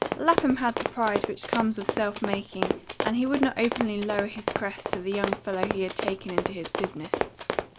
LAPHAM had the pride which comes of self making, and he would not openly lower his crest to the young fellow he had taken into his business.